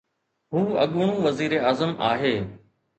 هو اڳوڻو وزيراعظم آهي.